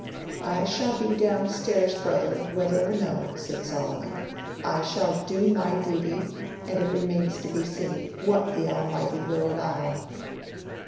"I shall be down stairs, Brother, whether or no," said Solomon. "I shall do my duty, and it remains to be seen what the Almighty will allow."